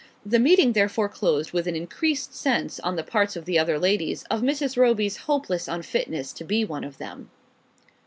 The meeting therefore closed with an increased sense, on the part of the other ladies, of Mrs. Roby's hopeless unfitness to be one of them.